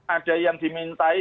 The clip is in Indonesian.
ada yang dimintai